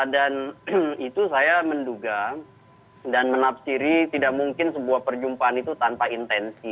dan itu saya menduga dan menafsiri tidak mungkin sebuah perjumpaan itu tanpa intensi